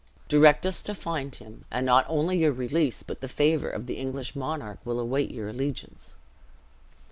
Direct us to find him, and not only your release, but the favor of the English monarch will await your allegiance."